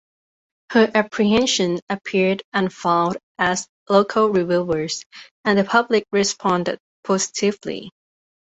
Her apprehension appeared unfounded as local reviewers and the public responded positively.